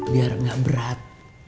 biar nggak berat